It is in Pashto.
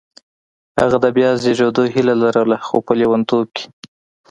هغه د بیا زېږېدو هیله لرله خو په لېونتوب کې